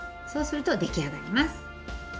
そうすると出来上がります。